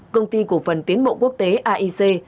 công ty cổ phần tiến mộ quốc tế aic